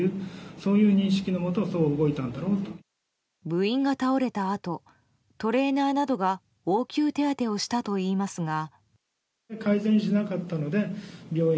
部員が倒れたあとトレーナーなどが応急手当てをしたといいますが。